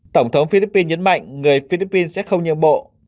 tổng thống philippines nhấn mạnh người philippines sẽ không nhượng bộ